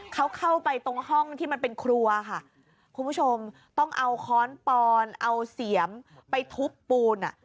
เขาเข้าไปตรงห้องที่มันเป็นครัวค่ะคุณผู้ชมต้องเอาค้อนปอนเอาเสียมไปทุบปูนอ่ะ